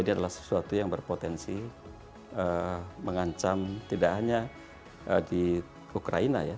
ini adalah sesuatu yang berpotensi mengancam tidak hanya di ukraina ya